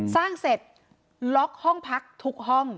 สร้างเสร็จล็อกห้องพักทุกห้อง